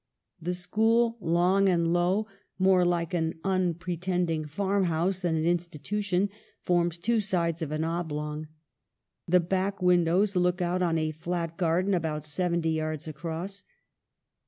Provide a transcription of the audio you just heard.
The school, long and low, more like an unpre tending farmhouse than an institution, forms two sides of an oblong. The back windows look out on a flat garden about seventy yards across.